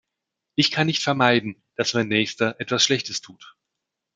Ich kann nicht vermeiden, dass mein Nächster etwas Schlechtes tut.